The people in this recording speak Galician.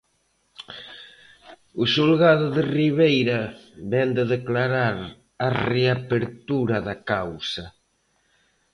O xulgado de Ribeira ven de declarar a reapertura da causa.